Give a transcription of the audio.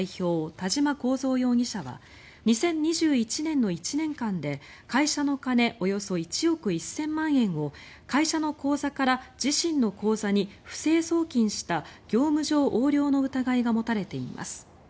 田嶋幸三容疑者は２０２１年の１年間で会社の金およそ１億１０００万円を会社の口座から自身の口座に不正送金した業務上横領の疑いが持たれています。